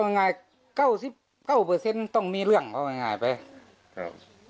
ก็ไง๙๙ต้องมีเรื่องก็ได้ประมาณนี้